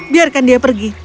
biarkan dia pergi